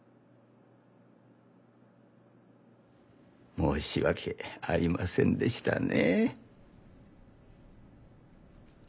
申し訳ありませんでしたね。